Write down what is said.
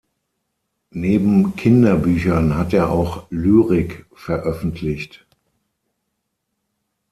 Neben Kinderbüchern hat er auch Lyrik veröffentlicht.